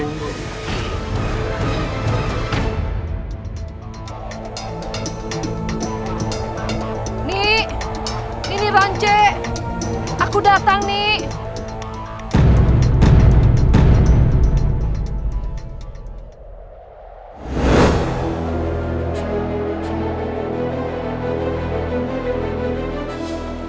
nih nih nih nih rance aku datang nih